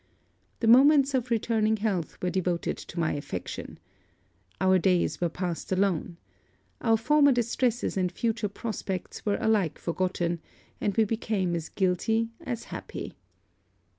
The moments of returning health were devoted to my affection. Our days were passed alone. Our former distresses and future prospects were alike forgotten; and we became as guilty as happy.